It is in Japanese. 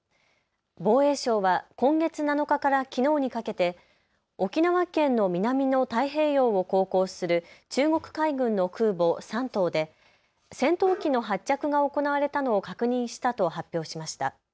防衛省は今月７日からきのうにかけて沖縄県の南の太平洋を航行する中国海軍の空母、山東で戦闘機の発着が行われたのを確認したと発表しました。